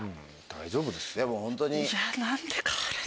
大丈夫ですよ。